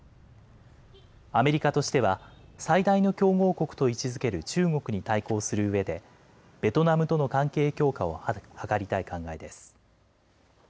アメリカとしては最大の競合国と位置づける中国に対抗するうえでベトナムとの関係強化を図りたい考えです。